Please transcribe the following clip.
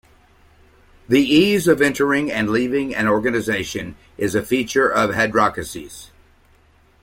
The ease of entering and leaving an organization is a feature of adhocracies.